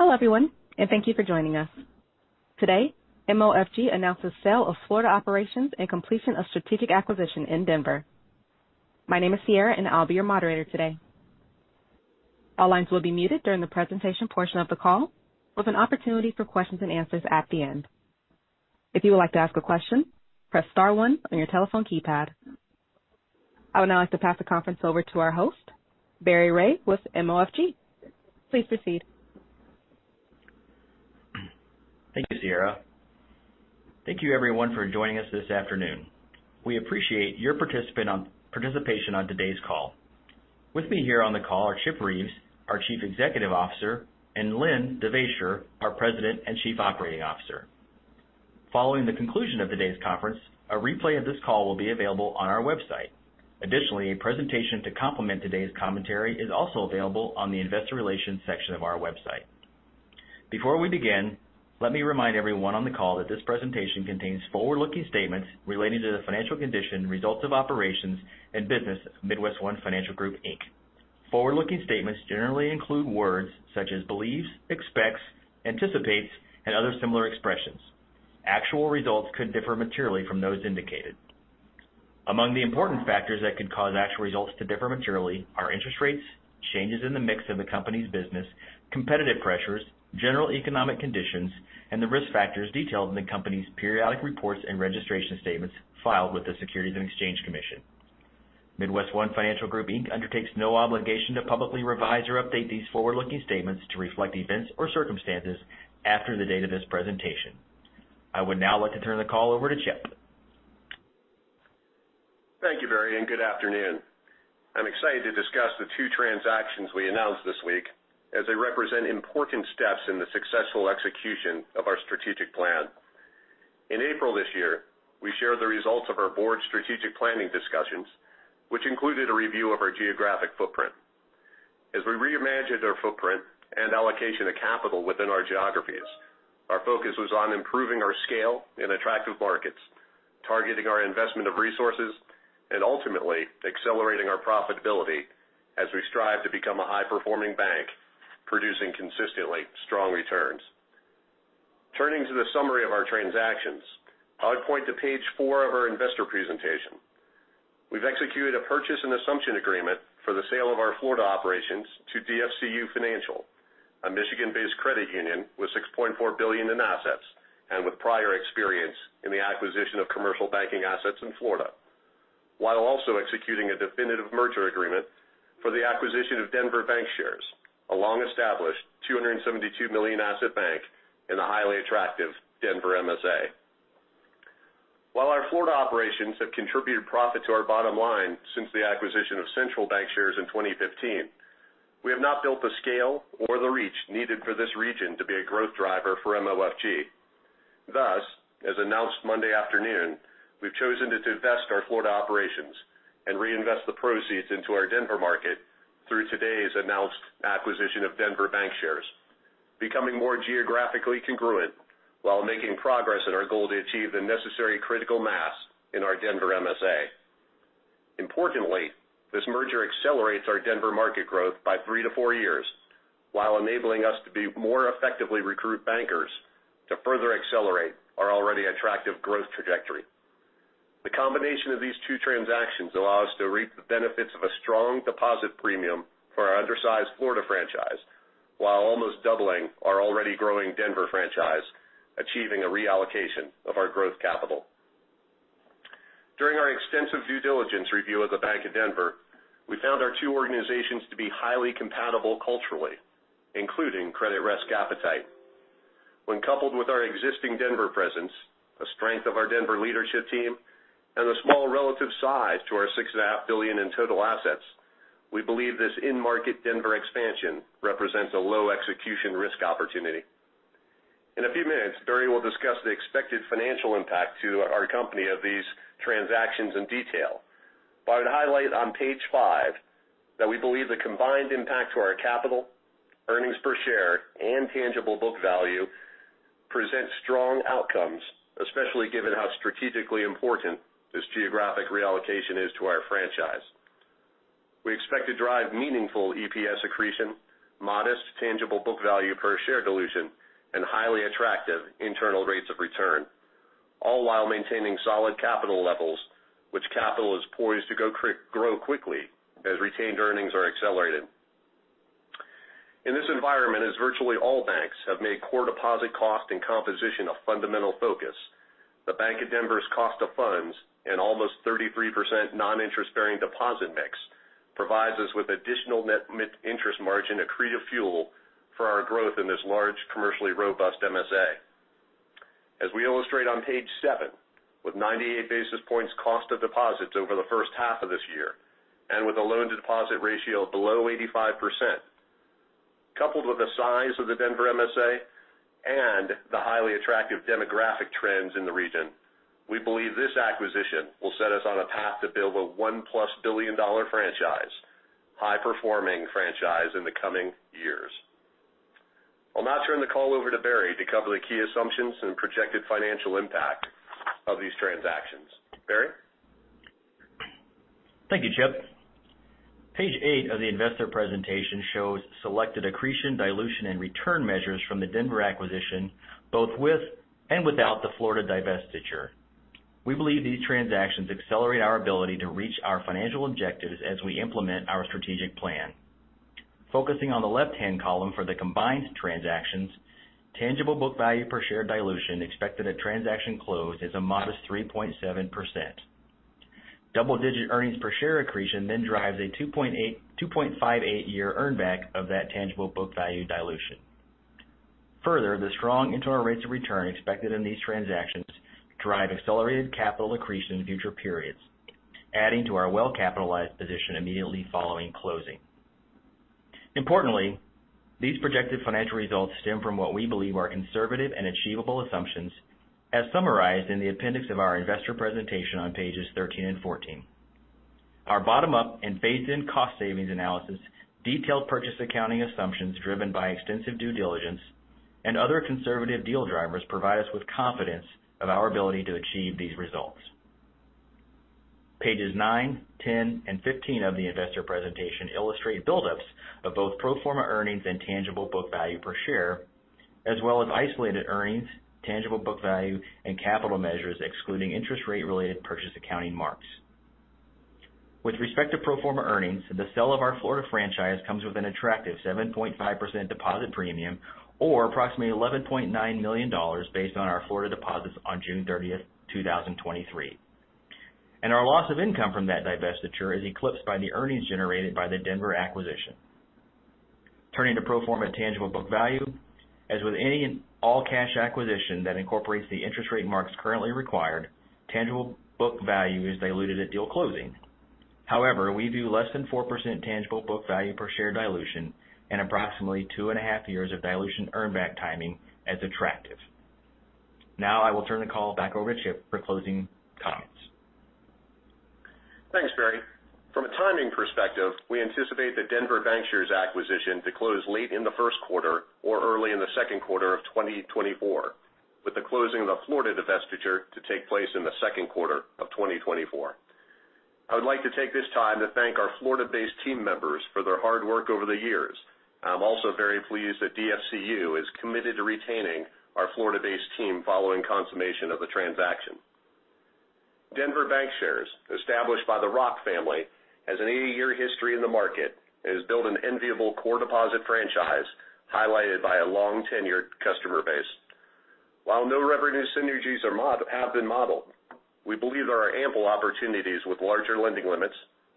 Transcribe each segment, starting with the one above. Hello, everyone, and thank you for joining us. Today, MOFG announces sale of Florida operations and completion of strategic acquisition in Denver. My name is Sierra, and I'll be your moderator today. All lines will be muted during the presentation portion of the call, with an opportunity for questions and answers at the end. If you would like to ask a question, press star one on your telephone keypad. I would now like to pass the conference over to our host, Barry Ray, with MOFG. Please proceed. Thank you, Sierra. Thank you, everyone, for joining us this afternoon. We appreciate your participation on today's call. With me here on the call are Chip Reeves, our Chief Executive Officer, and Len Devaisher, our President and Chief Operating Officer. Following the conclusion of today's conference, a replay of this call will be available on our website. Additionally, a presentation to complement today's commentary is also available on the investor relations section of our website. Before we begin, let me remind everyone on the call that this presentation contains forward-looking statements relating to the financial condition, results of operations, and business of MidWestOne Financial Group, Inc. Forward-looking statements generally include words such as believes, expects, anticipates, and other similar expressions. Actual results could differ materially from those indicated. Among the important factors that could cause actual results to differ materially are interest rates, changes in the mix of the company's business, competitive pressures, general economic conditions, and the risk factors detailed in the company's periodic reports and registration statements filed with the Securities and Exchange Commission. MidWestOne Financial Group, Inc. undertakes no obligation to publicly revise or update these forward-looking statements to reflect events or circumstances after the date of this presentation. I would now like to turn the call over to Chip. Thank you, Barry, and good afternoon. I'm excited to discuss the 2 transactions we announced this week, as they represent important steps in the successful execution of our strategic plan. In April this year, we shared the results of our board's strategic planning discussions, which included a review of our geographic footprint. As we reimagined our footprint and allocation of capital within our geographies, our focus was on improving our scale in attractive markets, targeting our investment of resources, and ultimately accelerating our profitability as we strive to become a high-performing bank, producing consistently strong returns. Turning to the summary of our transactions, I would point to page 4 of our investor presentation. We've executed a purchase and assumption agreement for the sale of our Florida operations to DFCU Financial, a Michigan-based credit union with $6.4 billion in assets and with prior experience in the acquisition of commercial banking assets in Florida, while also executing a definitive merger agreement for the acquisition of Denver Bankshares, a long-established $272 million asset bank in the highly attractive Denver MSA. While our Florida operations have contributed profit to our bottom line since the acquisition of Central Bancshares in 2015, we have not built the scale or the reach needed for this region to be a growth driver for MOFG. Thus, as announced Monday afternoon, we've chosen to divest our Florida operations and reinvest the proceeds into our Denver market through today's announced acquisition of Bank of Denver shares, becoming more geographically congruent while making progress in our goal to achieve the necessary critical mass in our Denver MSA. Importantly, this merger accelerates our Denver market growth by three-to-four years, while enabling us to be more effectively recruit bankers to further accelerate our already attractive growth trajectory. The combination of these two transactions allow us to reap the benefits of a strong deposit premium for our undersized Florida franchise, while almost doubling our already growing Denver franchise, achieving a reallocation of our growth capital. During our extensive due diligence review of the Bank of Denver, we found our two organizations to be highly compatible culturally, including credit risk appetite. When coupled with our existing Denver presence, the strength of our Denver leadership team, and the small relative size to our $6.5 billion in total assets, we believe this in-market Denver expansion represents a low execution risk opportunity. In a few minutes, Barry will discuss the expected financial impact to our company of these transactions in detail. But I'd highlight on page 5 that we believe the combined impact to our capital, earnings per share, and tangible book value presents strong outcomes, especially given how strategically important this geographic reallocation is to our franchise. We expect to drive meaningful EPS accretion, modest tangible book value per share dilution, and highly attractive internal rates of return, all while maintaining solid capital levels, which capital is poised to grow quickly as retained earnings are accelerated. In this environment, as virtually all banks have made core deposit cost and composition a fundamental focus, the Bank of Denver's cost of funds and almost 33% non-interest-bearing deposit mix provides us with additional net interest margin accretive fuel for our growth in this large, commercially robust MSA. As we illustrate on page 7, with 98 basis points cost of deposits over the first half of this year, and with a loan-to-deposit ratio of below 85%, coupled with the size of the Denver MSA and the highly attractive demographic trends in the region, we believe this acquisition will set us on a path to build a 1+ billion-dollar franchise, high-performing franchise in the coming years. I'll now turn the call over to Barry to cover the key assumptions and projected financial impact of these transactions. Barry? Thank you, Chip. Page 8 of the investor presentation shows selected accretion, dilution, and return measures from the Denver acquisition, both with and without the Florida divestiture. We believe these transactions accelerate our ability to reach our financial objectives as we implement our strategic plan. Focusing on the left-hand column for the combined transactions, tangible book value per share dilution expected at transaction close is a modest 3.7%. Double-digit earnings per share accretion then drives a 2.8-2.58-year earn back of that tangible book value dilution. Further, the strong internal rates of return expected in these transactions drive accelerated capital accretion in future periods, adding to our well-capitalized position immediately following closing. Importantly, these projected financial results stem from what we believe are conservative and achievable assumptions, as summarized in the appendix of our investor presentation on pages 13 and 14. Our bottom-up and phased-in cost savings analysis, detailed purchase accounting assumptions driven by extensive due diligence and other conservative deal drivers provide us with confidence of our ability to achieve these results. Pages 9, 10, and 15 of the investor presentation illustrate buildups of both pro forma earnings and tangible book value per share, as well as isolated earnings, tangible book value, and capital measures, excluding interest rate-related purchase accounting marks. With respect to pro forma earnings, the sale of our Florida franchise comes with an attractive 7.5% deposit premium or approximately $11.9 million based on our Florida deposits on June 30, 2023. Our loss of income from that divestiture is eclipsed by the earnings generated by the Denver acquisition. Turning to pro forma tangible book value. As with any all-cash acquisition that incorporates the interest rate marks currently required, tangible book value is diluted at deal closing. However, we view less than 4% tangible book value per share dilution and approximately 2.5 years of dilution earn back timing as attractive. Now I will turn the call back over to Chip for closing comments. Thanks, Barry. From a timing perspective, we anticipate the Denver Bankshares acquisition to close late in the first quarter or early in the second quarter of 2024, with the closing of the Florida divestiture to take place in the second quarter of 2024. I would like to take this time to thank our Florida-based team members for their hard work over the years. I'm also very pleased that DFCU is committed to retaining our Florida-based team following consummation of the transaction. Denver Bankshares, established by the Rock family, has an 80-year history in the market and has built an enviable core deposit franchise, highlighted by a long-tenured customer base. While no revenue synergies have been modeled, we believe there are ample opportunities with larger lending limits,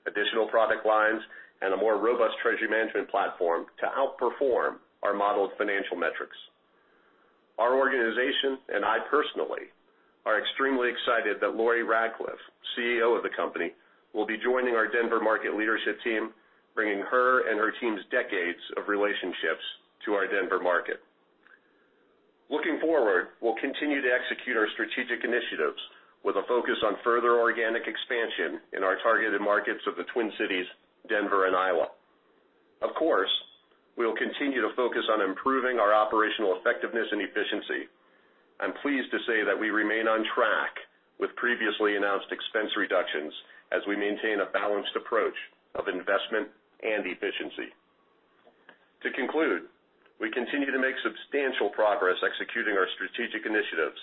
additional product lines, and a more robust treasury management platform to outperform our modeled financial metrics. Our organization, and I personally, are extremely excited that Lori Radcliffe, CEO of the company, will be joining our Denver market leadership team, bringing her and her team's decades of relationships to our Denver market. Looking forward, we'll continue to execute our strategic initiatives with a focus on further organic expansion in our targeted markets of the Twin Cities, Denver, and Iowa. Of course, we'll continue to focus on improving our operational effectiveness and efficiency. I'm pleased to say that we remain on track with previously announced expense reductions as we maintain a balanced approach of investment and efficiency. To conclude, we continue to make substantial progress executing our strategic initiatives,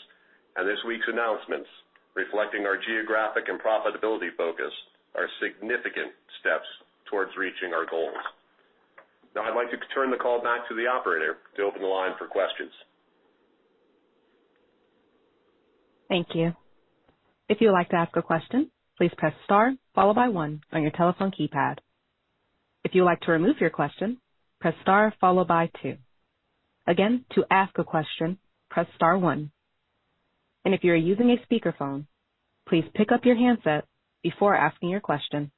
and this week's announcements, reflecting our geographic and profitability focus, are significant steps towards reaching our goals. Now, I'd like to turn the call back to the operator to open the line for questions. Thank you. If you would like to ask a question, please press star, followed by one on your telephone keypad. If you would like to remove your question, press star, followed by two. Again, to ask a question, press star one. And if you are using a speakerphone, please pick up your handset before asking your question.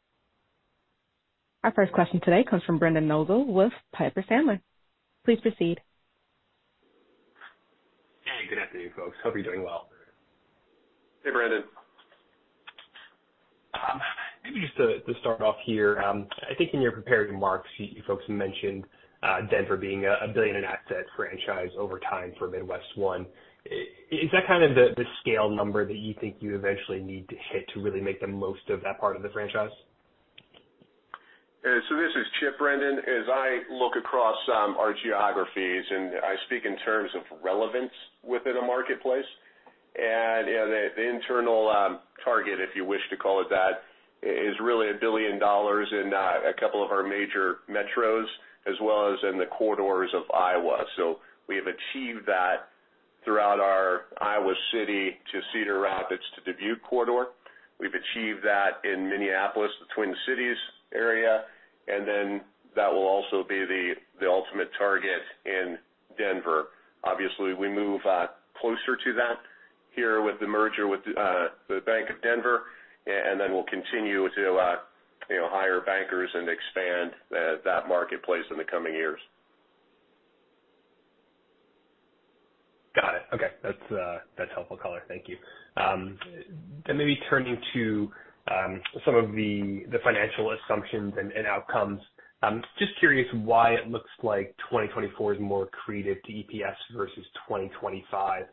Our first question today comes from Brendan Nosal with Piper Sandler. Please proceed. Hey, good afternoon, folks. Hope you're doing well. Hey, Brendan. Maybe just to start off here, I think in your prepared remarks, you folks mentioned Denver being a $1 billion asset franchise over time for MidWestOne. Is that kind of the scale number that you think you eventually need to hit to really make the most of that part of the franchise? So this is Chip, Brendan. As I look across our geographies, and I speak in terms of relevance within a marketplace, and the internal target, if you wish to call it that, is really $1 billion in a couple of our major metros as well as in the corridors of Iowa. So we have achieved that throughout our Iowa City to Cedar Rapids to Dubuque corridor. We've achieved that in Minneapolis, the Twin Cities area, and then that will also be the ultimate target in Denver. Obviously, we move closer to that here with the merger with the Bank of Denver, and then we'll continue to you know, hire bankers and expand that marketplace in the coming years. Got it. Okay. That's, that's helpful color. Thank you. Then maybe turning to, some of the, the financial assumptions and, and outcomes. Just curious why it looks like 2024 is more accretive to EPS versus 2025?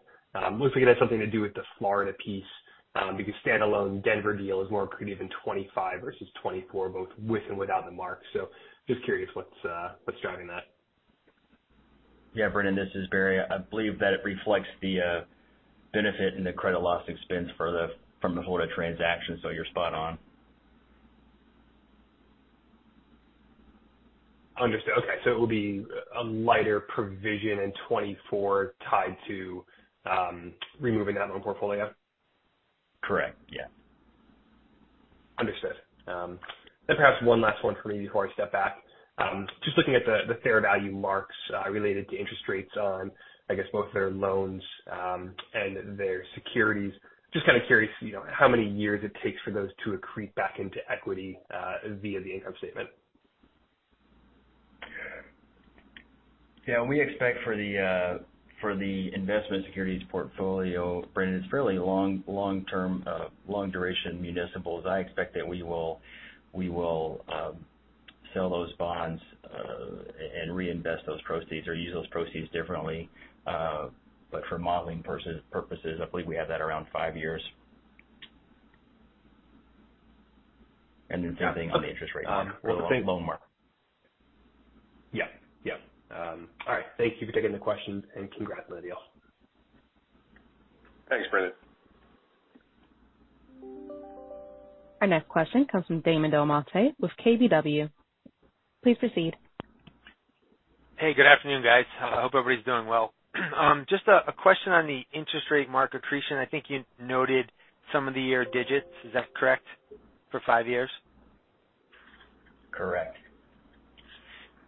Looks like it has something to do with the Florida piece, because standalone Denver deal is more accretive than 25 versus 24, both with and without the mark. So just curious what's, what's driving that? Yeah, Brendan, this is Barry. I believe that it reflects the benefit in the credit loss expense from the Florida transaction, so you're spot on. Understood. Okay, so it will be a lighter provision in 2024 tied to removing that loan portfolio? Correct. Yeah. Understood. Then perhaps one last one for me before I step back. Just looking at the fair value marks related to interest rates on, I guess, both their loans and their securities. Just kind of curious, you know, how many years it takes for those to accrete back into equity via the income statement. Yeah, we expect for the investment securities portfolio, Brendan, it's fairly long, long-term, long duration municipals. I expect that we will sell those bonds and reinvest those proceeds or use those proceeds differently. But for modeling purposes, I believe we have that around five years. And then same thing on the interest rate mark for the loan mark. Yeah. Yeah. All right. Thank you for taking the questions, and congrats on the deal. Thanks, Brendan. Our next question comes from Damon DelMonte with KBW. Please proceed. Hey, good afternoon, guys. I hope everybody's doing well. Just a question on the interest rate mark accretion. I think you noted sum-of-the-years' digits. Is that correct? For five years. Correct.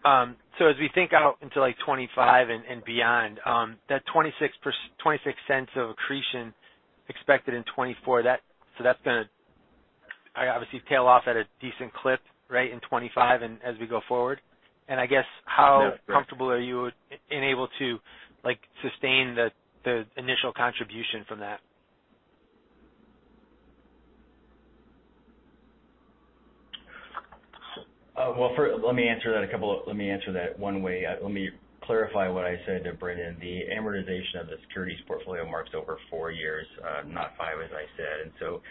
So as we think out into, like, 2025 and beyond, that $0.26 of accretion expected in 2024, so that's gonna, obviously, tail off at a decent clip, right, in 2025 and as we go forward? And I guess- Yeah. How comfortable are you in able to, like, sustain the initial contribution from that? Well, first, let me answer that one way. Let me clarify what I said to Brendan. The amortization of the securities portfolio marks over 4 years, not 5, as I said. And so,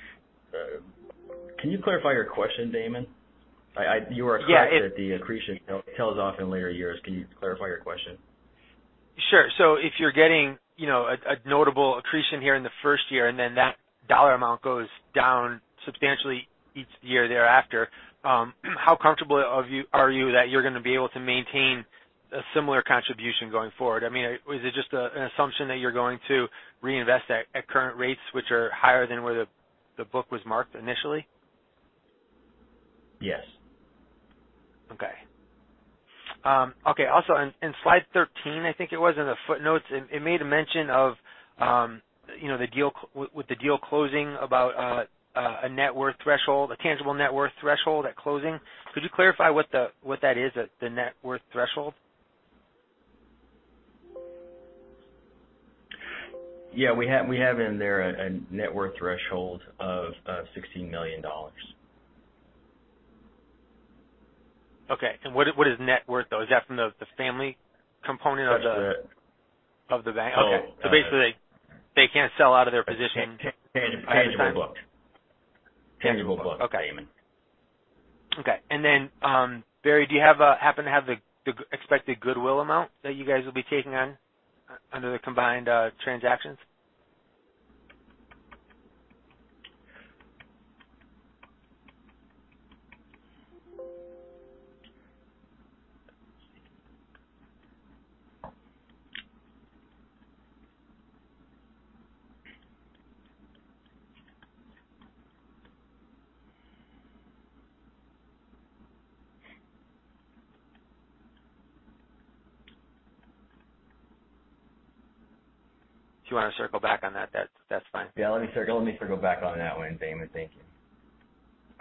can you clarify your question, Damon? You were- Yeah, it- -across that the accretion tails off in later years. Can you clarify your question? Sure. So if you're getting, you know, a notable accretion here in the first year, and then that dollar amount goes down substantially each year thereafter, how comfortable are you that you're going to be able to maintain a similar contribution going forward? I mean, is it just an assumption that you're going to reinvest at current rates, which are higher than where the book was marked initially? Yes. Okay. Okay, also in slide 13, I think it was in the footnotes, it made a mention of, you know, the deal with the deal closing about a net worth threshold, a tangible net worth threshold at closing. Could you clarify what that is, the net worth threshold? Yeah, we have in there a net worth threshold of $16 million. Okay. What is, what is net worth, though? Is that from the, the family component of the- That's the- of the bank? No. Okay. So basically, they can't sell out of their position? Tangible book. Okay. -Damon. Okay. And then, Barry, do you happen to have the expected goodwill amount that you guys will be taking on under the combined transactions? If you want to circle back on that, that's fine. Yeah, let me circle back on that one, Damon. Thank you.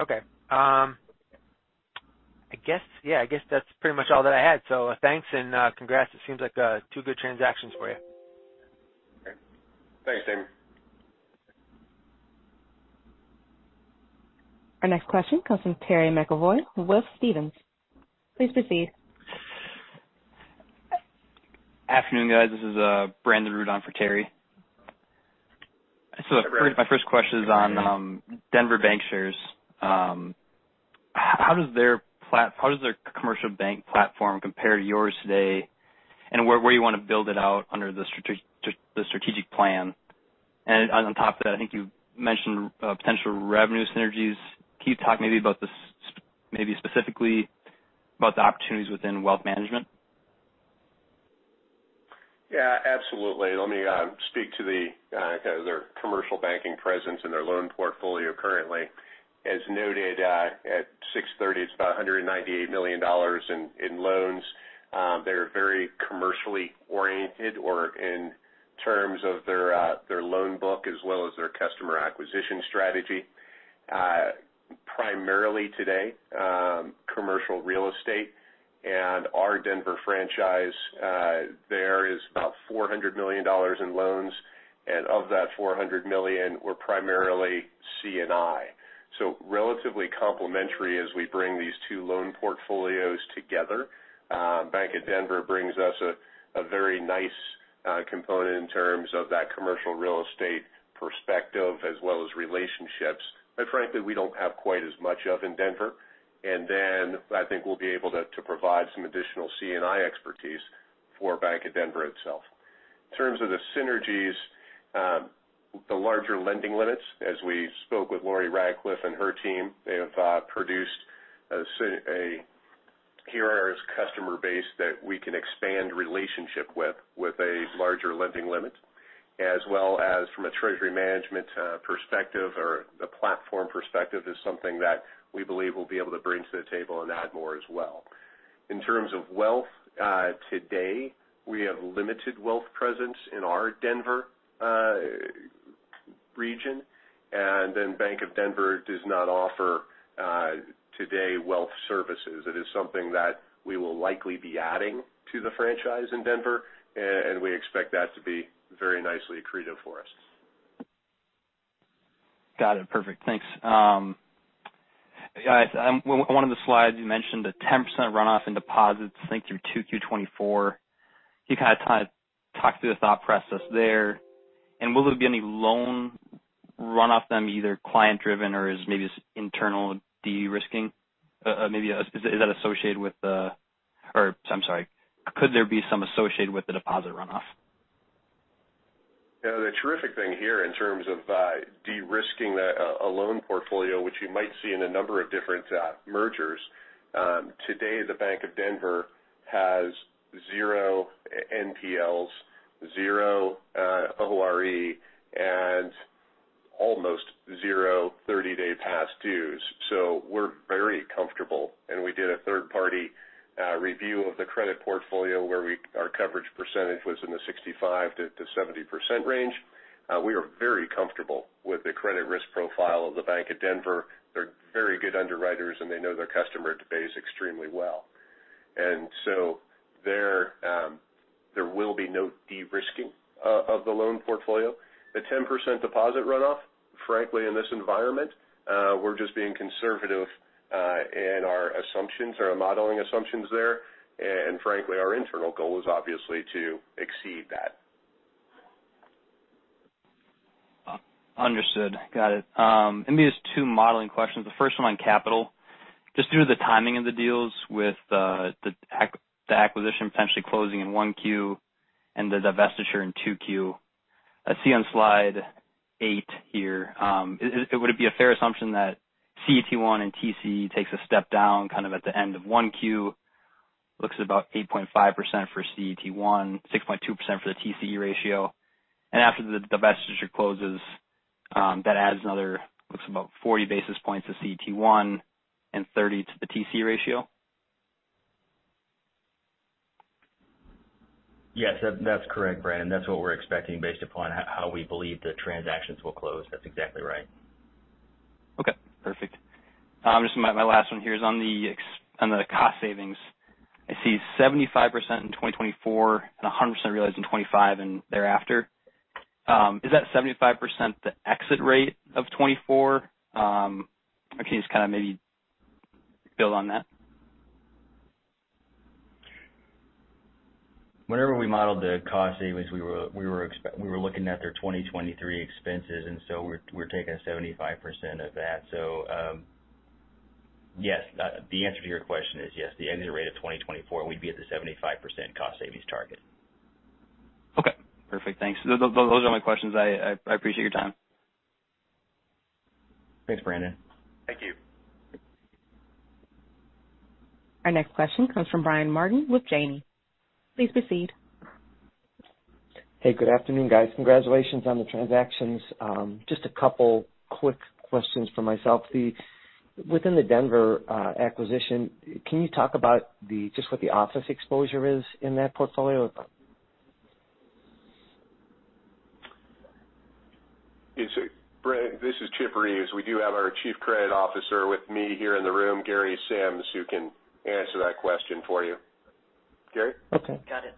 Okay. I guess, yeah, I guess that's pretty much all that I had. So, thanks and congrats. It seems like two good transactions for you. Okay. Thanks, Damon. Our next question comes from Terry McEvoy with Stephens. Please proceed. Afternoon, guys. This is Brandon Ruden for Terry. So my first question is on Denver Bankshares. How does their commercial bank platform compare to yours today, and where do you want to build it out under the strategic plan? And on top of that, I think you mentioned potential revenue synergies. Can you talk maybe specifically about the opportunities within wealth management? Yeah, absolutely. Let me speak to their commercial banking presence and their loan portfolio currently. As noted, at 6/30, it's about $198 million in loans. They're very commercially oriented in terms of their loan book as well as their customer acquisition strategy. Primarily today, commercial real estate and our Denver franchise, there is about $400 million in loans, and of that $400 million, we're primarily C&I. So relatively complementary as we bring these two loan portfolios together. Bank of Denver brings us a very nice component in terms of that commercial real estate perspective as well as relationships that frankly, we don't have quite as much of in Denver. And then I think we'll be able to provide some additional C&I expertise for Bank of Denver itself. In terms of the synergies, the larger lending limits, as we spoke with Laurie Radcliffe and her team, they have produced a sizable customer base that we can expand relationship with, with a larger lending limit, as well as from a treasury management perspective or the platform perspective, is something that we believe we'll be able to bring to the table and add more as well. In terms of wealth, today, we have limited wealth presence in our Denver region, and Bank of Denver does not offer today, wealth services. It is something that we will likely be adding to the franchise in Denver, and we expect that to be very nicely accretive for us. Got it. Perfect. Thanks. Guys, one of the slides, you mentioned a 10% runoff in deposits, I think through 2Q 2024. Can you kind of talk, talk through the thought process there? And will there be any loan runoff then, either client-driven or is maybe internal de-risking? Maybe is, is that associated with the... Or I'm sorry, could there be some associated with the deposit runoff? Yeah, the terrific thing here in terms of de-risking the loan portfolio, which you might see in a number of different mergers. Today, the Bank of Denver has 0 NPLs, 0 ORE, and almost 0 30-day past dues. So we're very comfortable. And we did a third-party review of the credit portfolio, where our coverage percentage was in the 65%-70% range. We are very comfortable with the credit risk profile of the Bank of Denver. They're very good underwriters, and they know their customer base extremely well. And so there will be no de-risking of the loan portfolio. The 10% deposit runoff, frankly, in this environment, we're just being conservative in our assumptions, our modeling assumptions there. And frankly, our internal goal is obviously to exceed that. Understood. Got it. Maybe it's two modeling questions. The first one on capital. Just due to the timing of the deals with the acquisition potentially closing in 1Q and the divestiture in 2Q. I see on slide 8 here, would it be a fair assumption that CET1 and TCE takes a step down, kind of at the end of 1Q, looks about 8.5% for CET1, 6.2% for the TCE ratio, and after the divestiture closes, that adds another, looks about 40 basis points to CET1 and 30 to the TCE ratio? Yes, that's correct, Brandon. That's what we're expecting based upon how we believe the transactions will close. That's exactly right. Okay, perfect. Just my, my last one here is on the cost savings. I see 75% in 2024, and 100% realized in 2025 and thereafter. Is that 75% the exit rate of 2024? Can you just kind of maybe build on that? Whenever we modeled the cost savings, we were looking at their 2023 expenses, and so we're taking 75% of that. So, yes, the answer to your question is yes, the exit rate of 2024, we'd be at the 75% cost savings target. Okay, perfect. Thanks. Those are my questions. I appreciate your time. Thanks, Brandon. Thank you. Our next question comes from Brian Martin with Janney. Please proceed. Hey, good afternoon, guys. Congratulations on the transactions. Just a couple quick questions for myself. Within the Denver acquisition, can you talk about the, just what the office exposure is in that portfolio? It's Brian, this is Chip Reeves. We do have our Chief Credit Officer with me here in the room, Gary Sims, who can answer that question for you. Gary? Okay. Got it.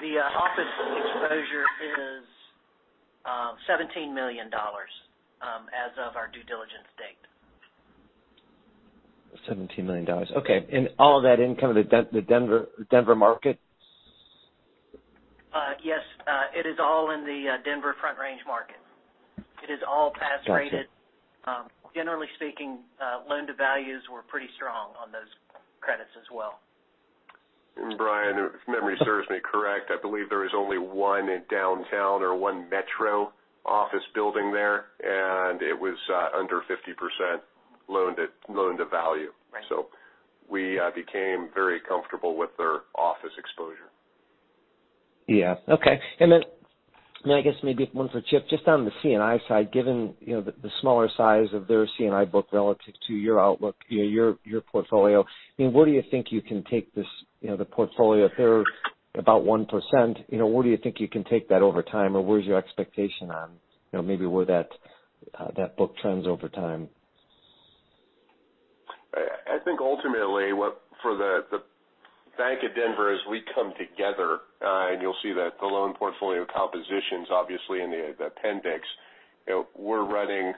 The office exposure is $17 million as of our due diligence date. $17 million. Okay. And all of that income in the Denver market? Yes, it is all in the Denver Front Range market. It is all pass rated. Got you. Generally speaking, loan-to-values were pretty strong on those credits as well. Brian, if memory serves me correct, I believe there is only one in downtown or one metro office building there, and it was under 50% loan-to-value. Right. So we became very comfortable with their office exposure. Yeah. Okay. And then, and I guess maybe one for Chip, just on the C&I side, given, you know, the, the smaller size of their C&I book relative to your outlook, you know, your, your portfolio, I mean, where do you think you can take this, you know, the portfolio? If they're about 1%, you know, where do you think you can take that over time, or where's your expectation on, you know, maybe where that, that book trends over time? I think ultimately, what for the Bank of Denver, as we come together, and you'll see that the loan portfolio compositions, obviously, in the appendix, you know, we're running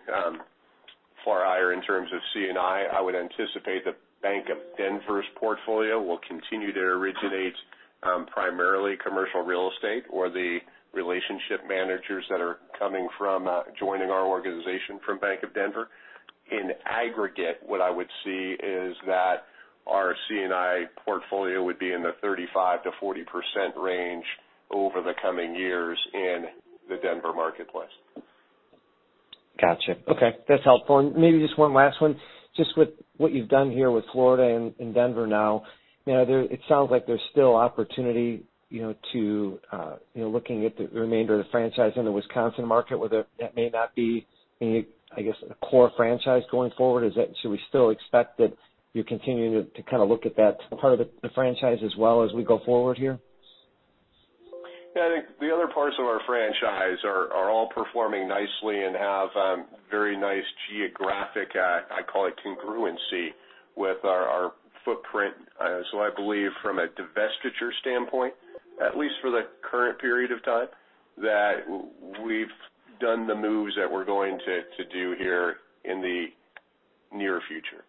far higher in terms of C&I. I would anticipate that Bank of Denver's portfolio will continue to originate primarily commercial real estate or the relationship managers that are coming from joining our organization from Bank of Denver. In aggregate, what I would see is that our C&I portfolio would be in the 35%-40% range over the coming years in the Denver marketplace. Gotcha. Okay, that's helpful. And maybe just one last one. Just with what you've done here with Florida and Denver now, you know, there—it sounds like there's still opportunity, you know, to looking at the remainder of the franchise in the Wisconsin market, whether that may not be a, I guess, a core franchise going forward. Is that—should we still expect that you're continuing to kind of look at that part of the franchise as well as we go forward here? Yeah, I think the other parts of our franchise are all performing nicely and have very nice geographic, I call it, congruency with our footprint. So I believe from a divestiture standpoint, at least for the current period of time, that we've done the moves that we're going to do here in the near future.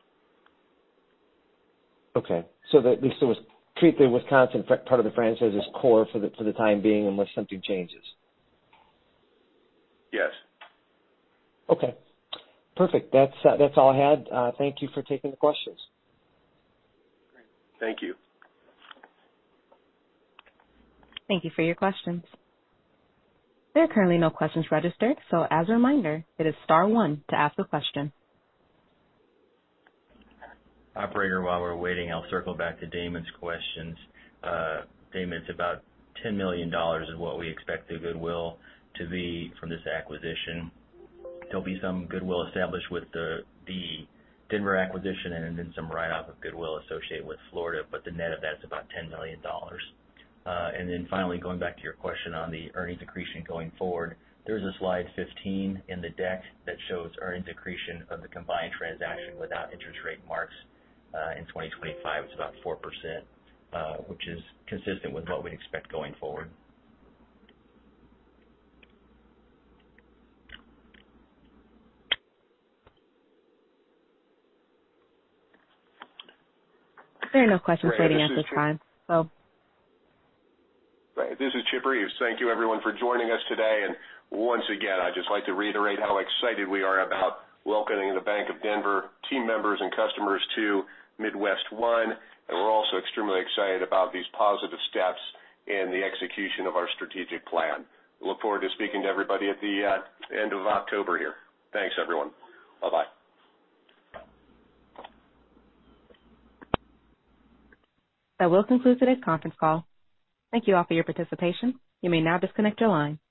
Okay. So treat the Wisconsin part of the franchise as core for the time being, unless something changes. Yes. Okay, perfect. That's all I had. Thank you for taking the questions. Thank you. Thank you for your questions. There are currently no questions registered, so as a reminder, it is star one to ask a question. Operator, while we're waiting, I'll circle back to Damon's questions. Damon, it's about $10 million is what we expect the goodwill to be from this acquisition. There'll be some goodwill established with the Denver acquisition and then some write-off of goodwill associated with Florida, but the net of that is about $10 million. And then finally, going back to your question on the earnings accretion going forward, there's a slide 15 in the deck that shows earnings accretion of the combined transaction without interest rate marks. In 2025, it's about 4%, which is consistent with what we'd expect going forward. There are no questions ready at this time, so- Right. This is Chip Reeves. Thank you, everyone, for joining us today. And once again, I'd just like to reiterate how excited we are about welcoming the Bank of Denver team members and customers to MidWestOne, and we're also extremely excited about these positive steps in the execution of our strategic plan. Look forward to speaking to everybody at the end of October here. Thanks, everyone. Bye-bye. That will conclude today's conference call. Thank you all for your participation. You may now disconnect your line.